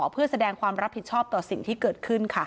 เพื่อแสดงความรับผิดชอบต่อสิ่งที่เกิดขึ้นค่ะ